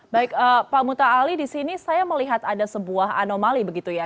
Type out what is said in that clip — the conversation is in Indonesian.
baik pak muta ali di sini saya melihat ada sebuah anomali begitu ya